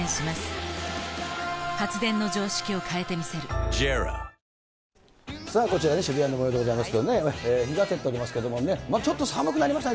ヒデさん、さあ、こちら、渋谷のもようでございますけれどもね、日が照っておりますけどもね、ちょっと寒くなりましたね。